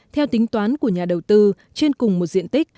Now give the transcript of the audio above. theo tính toán của nhà đầu tư trên cùng một diện tích